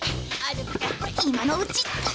今のうち！